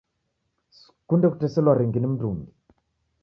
Sikunde kuteselwa ringi ni mndungi